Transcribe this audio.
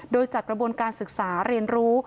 โดยจากกระบวนการศึกษาเรียนรู้